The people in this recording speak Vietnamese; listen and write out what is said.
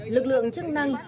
lực lượng chức năng